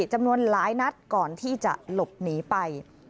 จำนวนหลายนัดก่อนที่จะหลบหนีไป